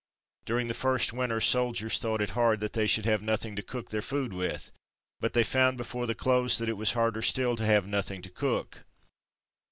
"During the first winter soldiers thought it hard that they should have nothing to cook their food with; but they found, before the close, that it was harder still to have nothing to cook."